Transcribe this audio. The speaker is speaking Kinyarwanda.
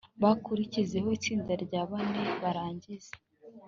bakurikizeho itsinda rya bane, barangirize